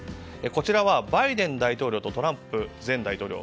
こちらはバイデン大統領とトランプ前大統領。